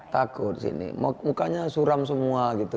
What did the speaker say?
takut sini mukanya suram semua gitu